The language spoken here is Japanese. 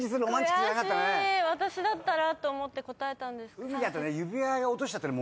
私だったらと思って答えたんです。